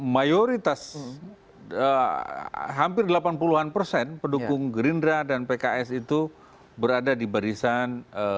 mayoritas hampir delapan puluh an persen pendukung gerindra dan pks itu berada di barisan